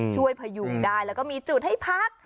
พยุงได้แล้วก็มีจุดให้พัก